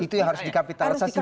itu yang harus dikapitalisasi